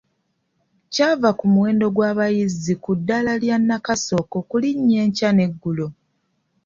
Kyava ku muwendo gw’abayizi ku ddaala nnakasooka ogulinnya enkya n’eggulo.